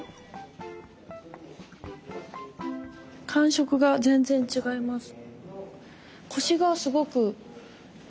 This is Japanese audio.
感触が全然違います。